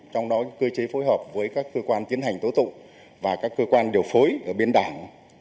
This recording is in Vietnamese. trong đó cơ chế phối hợp với các cơ quan tiến hành tố tụng và các cơ quan điều phối ở bên đảng